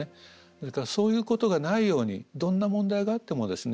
ですからそういうことがないようにどんな問題があってもですね